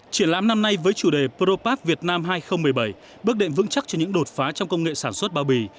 triển lãm năm nay với chủ đề pro park việt nam hai nghìn một mươi bảy bước đệm vững chắc cho những đột phá trong công nghệ sản xuất bao bì